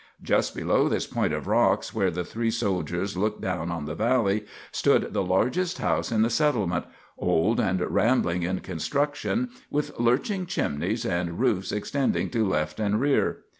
Just below this point of rocks where the three solders looked down on the valley stood the largest house in the settlement, old and rambling in construction, with lurching chimneys and roofs extending to left and rear.